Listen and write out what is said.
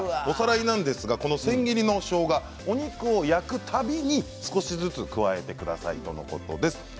おさらいなんですがこの千切りのしょうがお肉を焼く度に少しずつ加えてくださいとのことです。